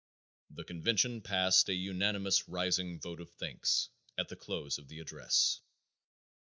The convention passed a unanimous rising vote of thanks at the close of the address.